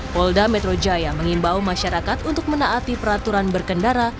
polda metro jaya mengimbau masyarakat untuk menaati peraturan berkendara